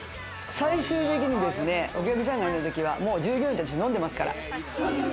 最終的にお客さんがいるときは従業員と一緒に飲んでますから。